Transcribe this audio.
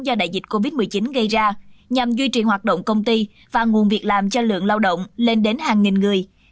do đại dịch covid một mươi chín gây ra nhằm duy trì hoạt động công ty và nguồn việc làm cho lượng lao động lên đến hàng nghìn người